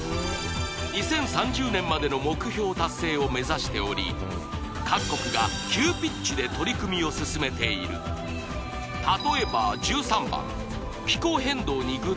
２０３０年までの目標達成を目指しており各国が急ピッチで取り組みを進めている例えば１３番